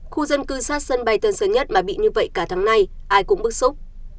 khu dân cư sát sân bay tân sơn nhất mà bị như vậy cả tháng nay ai cũng bức xúc